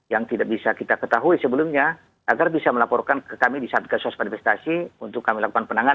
yang tidak bisa kita ketahui sebelumnya agar bisa melaporkan ke kami di satka sos peninvestasi untuk kami lakukan penangkapan